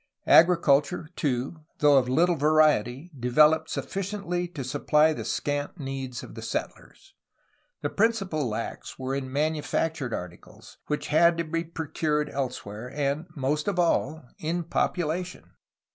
Agriculture, too, though of little variety, developed sufficiently to supply the scant 348 A HISTORY OF CALIFORNIA needs of the settlers. The principal lacks were in manu factured articles, which had to be procured elsewhere, and, most of all, in population.